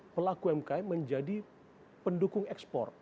mbak desi cukup banyak pelaku mkm menjadi pendukung ekspor